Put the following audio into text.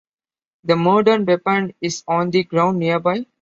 The murder weapon is on the ground nearby.